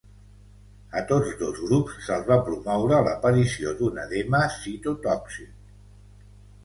A tots dos grups se’ls va promoure l'aparició d'un edema citotòxic.